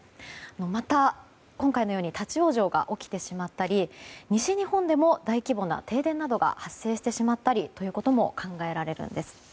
また、今回のように立ち往生が起きてしまったり西日本でも大規模な停電などが発生してしまったりということも考えられるんです。